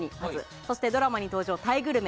そしてドラマに登場したタイグルメ。